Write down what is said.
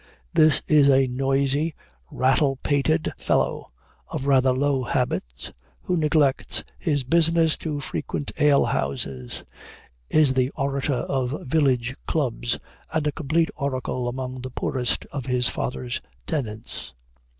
This is a noisy, rattle pated fellow, of rather low habits, who neglects his business to frequent ale houses is the orator of village clubs, and a complete oracle among the poorest of his father's tenants.